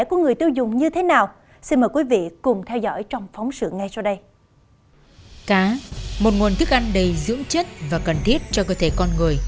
cá một nguồn thức ăn đầy dưỡng chất và cần thiết cho cơ thể con người